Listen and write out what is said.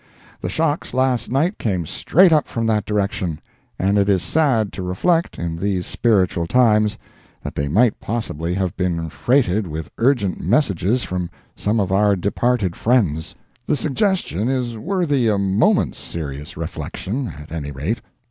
The shocks last night came straight up from that direction; and it is sad to reflect, in these spiritual times, that they might possibly have been freighted with urgent messages from some of our departed friends. The suggestion is worthy a moment's serious reflection, at any rate.